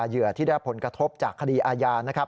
เหยื่อที่ได้ผลกระทบจากคดีอาญา